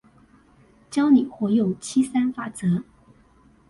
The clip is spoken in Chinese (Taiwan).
教你活用七三法則